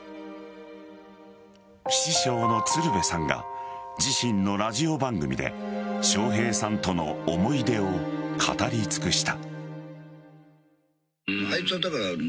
師匠の鶴瓶さんが自身のラジオ番組で笑瓶さんとの思い出を語り尽くした。